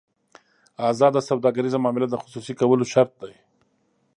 ازاده سوداګریزه معامله د خصوصي کولو شرط ده.